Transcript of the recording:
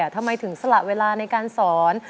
ทำไมถึงสละเวลาในการสอน